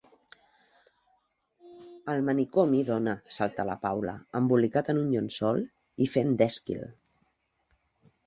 Al manicomi, dona –salta la Paula–, embolicat en un llençol i fent d'Èsquil.